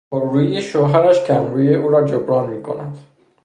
پررویی شوهرش کم رویی او را جبران میکند.